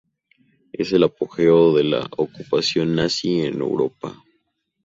Es el apogeo de la ocupación nazi en Europa.